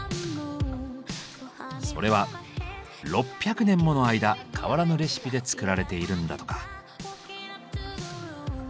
それは６００年もの間変わらぬレシピで作られているんだとか。